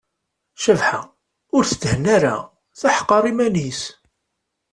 Cabḥa ur tettthenna ara, teḥqer iman-is.